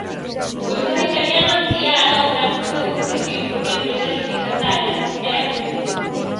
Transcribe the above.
O Estado italiano ampliara o prazo dunha concesión porque a empresa adxudicataria era pública.